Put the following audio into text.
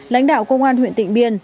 lãnh đạo công an huyện tịnh biên